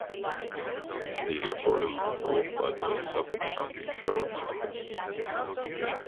The airport is patrolled by the Suffolk County Sheriff's Office.